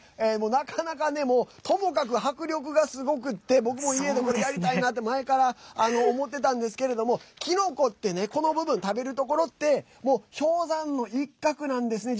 なかなかねもう、ともかく迫力がすごくって僕も家で、これやりたいなって前から思ってたんですけれどもキノコってねこの部分、食べるところってもう氷山の一角なんですね。